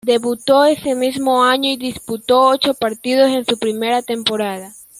Debutó ese mismo año y disputó ocho partidos en su primer temporada.